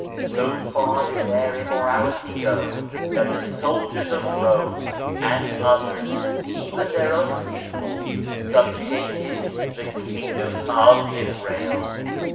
So far did their immorality go, that the soldiers of Rome, and others, even their own people, sub jugated the kingdom of Israel.